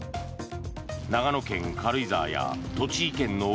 長野県軽井沢や栃木県の奥